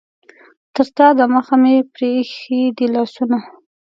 تر تا دمخه مې پرې ایښي دي لاسونه.